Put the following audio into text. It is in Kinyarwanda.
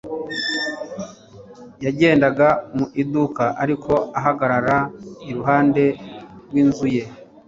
Yagendaga mu iduka ariko ahagarara iruhande rwinzu ye